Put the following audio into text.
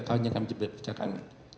kalian yang kami jelaskan